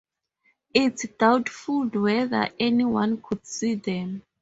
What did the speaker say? It's doubtful whether anyone could see them.